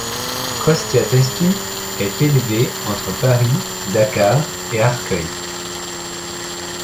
Kostia Testut est élevé entre Paris, Dakar et Arcueil.